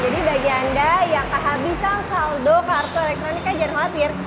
jadi bagi anda yang kehabisan saldo kartu elektronika jangan khawatir